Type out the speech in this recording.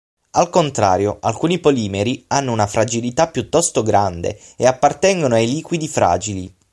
Al contrario alcuni polimeri hanno una fragilità piuttosto grande e appartengono ai liquidi fragili.